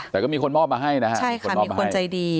แต่ก็มีคนมอบมาให้นะฮะใช่ค่ะมีคนใจดี